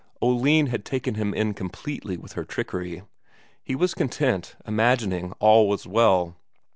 Oline had taken him in completely with her trickery; he was content, imagining all was well.